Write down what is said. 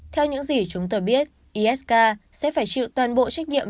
theo những gì chúng tôi biết isk sẽ phải chịu toàn bộ trách nhiệm